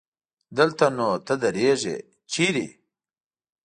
دلته نو ته درېږې چېرته؟